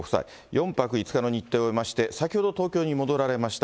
４泊５日の日程を終えまして、先ほど東京に戻られました。